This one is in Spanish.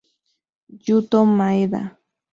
Yuto Maeda